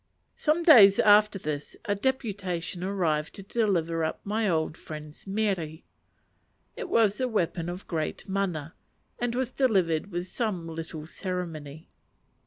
Some days after this a deputation arrived to deliver up my old friend's mere. It was a weapon of great mana, and was delivered with some little ceremony.